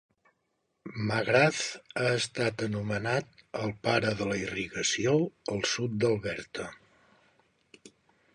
Magrath ha estat anomenat "El pare de la irrigació al sud d'Alberta".